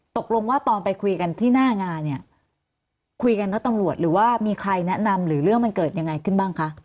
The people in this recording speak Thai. ตกลงว่าตอนไปคุยกันที่หน้างานเนี่ยคุยกันว่าตำรวจหรือว่ามีใครแนะนำหรือเรื่องมันเกิดยังไงขึ้นบ้างคะ